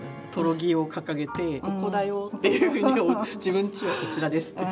木を掲げてここだよっていうふうに自分ちはこちらですって。